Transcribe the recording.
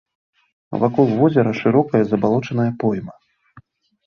Вакол возера шырокая забалочаная пойма.